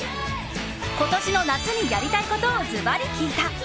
今年の夏にやりたいことをずばり聞いた。